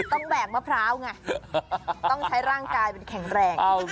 แบกมะพร้าวไงต้องใช้ร่างกายเป็นแข็งแรง